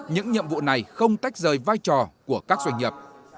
những nhiệm vụ này không tách rời vai trò của các doanh nghiệp